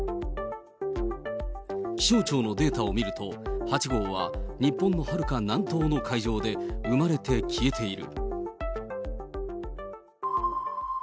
気象庁のデータを見ると、８号は日本のはるか南東の海上で生まれて消えている。